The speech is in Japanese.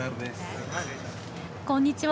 こんにちは。